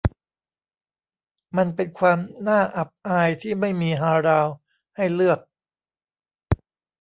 มันเป็นความน่าอับอายที่ไม่มีฮาลาลให้เลือก